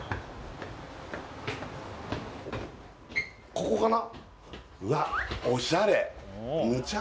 ここかな？